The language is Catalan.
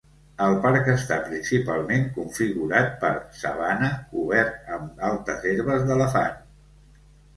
El parc està principalment configurat per sabana, cobert amb altes herbes d'elefant.